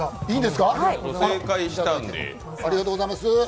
いいんですか？